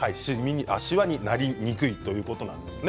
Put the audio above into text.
しわになりにくいということなんです。